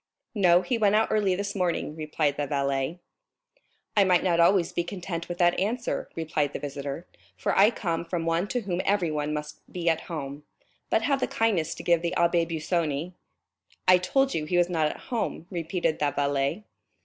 "No, he went out early this morning," replied the valet. "I might not always be content with that answer," replied the visitor, "for I come from one to whom everyone must be at home. But have the kindness to give the Abbé Busoni——" "I told you he was not at home," repeated the valet.